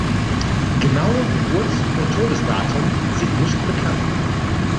Genaue Geburts- und Todesdatum sind nicht bekannt.